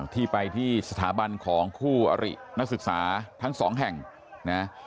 ที่ไปที่สถาบันของคู่อรินักศึกษาทั้งสองแห่งนะ